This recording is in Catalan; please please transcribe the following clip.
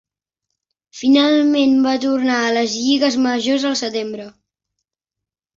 Finalment, va tornar a les lligues majors al setembre.